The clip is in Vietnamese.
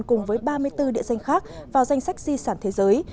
cùng với ba mươi bốn địa danh khác vào danh sách di sản thế giới